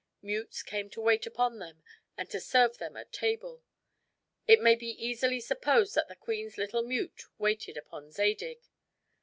Mutes came to wait upon them and to serve them at table. It may be easily supposed that the queen's little mute waited upon Zadig.